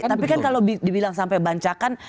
tapi kan kalau dibilang sampai bancakan